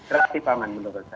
relatif aman menurut saya